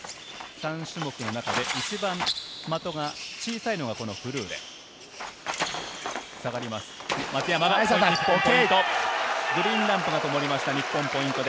３種目の中で一番的が小さいのがフルーレ。